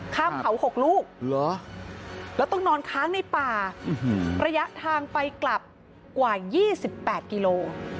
ข้ามเขา๖ลูกแล้วต้องนอนค้างในป่าระยะทางไปกลับกว่า๒๘กิโล